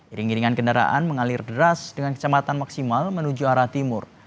iring iringan kendaraan mengalir deras dengan kecamatan maksimal menuju arah timur